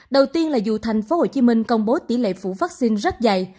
đầu tiên là dù tp hcm công bố tỷ lệ phủ vaccine rất dày